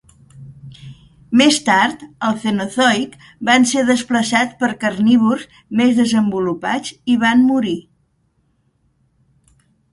Més tard, al Cenozoic, van ser desplaçats per carnívors més desenvolupats i van morir.